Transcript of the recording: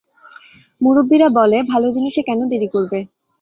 মুরুব্বিরা বলে, ভালো জিনিসে কেন দেরি করবে।